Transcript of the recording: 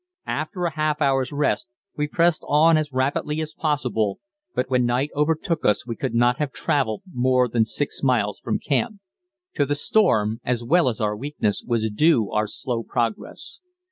After a half hour's rest, we pressed on as rapidly as possible, but when night overtook us we could not have travelled more than six miles from camp. To the storm, as well as our weakness, was due our slow progress.